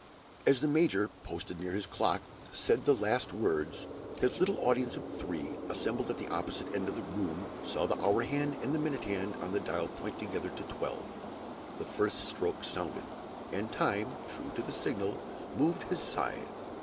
As the major, posted near his clock, said the last words, his little audience of three, assembled at the opposite end of the room, saw the hour hand and the minute hand on the dial point together to twelve. The first stroke sounded, and Time, true to the signal, moved his scythe.